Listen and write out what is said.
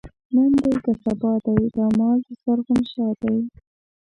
نن دی که سبا دی، دا مال دَ زرغون شاه دی